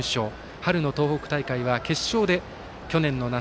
春の東北大会は決勝で、去年の夏